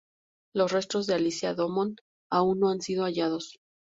Los restos de Alicia Domon aún no han sido hallados.